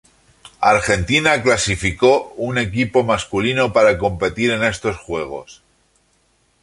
Argentina clasificó un equipo masculino para competir en estos juegos.